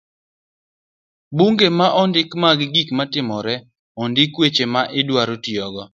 buge ma ondik mag gik matimore, ondik weche ma wadwaro tiyogo.